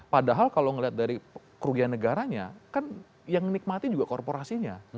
padahal kalau melihat dari kerugian negaranya kan yang menikmati juga korporasinya